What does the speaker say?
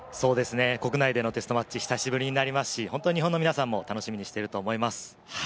国内でのテストマッチ、久しぶりになりますし、日本ファンの皆さんも楽しみにしていると思います。